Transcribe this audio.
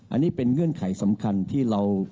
อันนี้เป็นเงื่อนไขสำคัญที่เรา